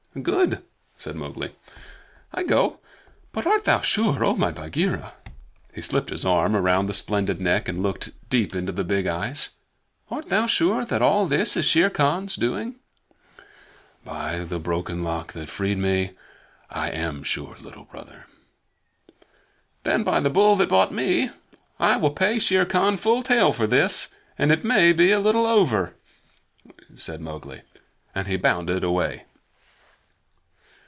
"Good!" said Mowgli. "I go. But art thou sure, O my Bagheera" he slipped his arm around the splendid neck and looked deep into the big eyes "art thou sure that all this is Shere Khan's doing?" "By the Broken Lock that freed me, I am sure, Little Brother." "Then, by the Bull that bought me, I will pay Shere Khan full tale for this, and it may be a little over," said Mowgli, and he bounded away.